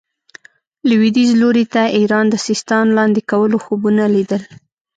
لوېدیځ لوري ته ایران د سیستان لاندې کولو خوبونه لیدل.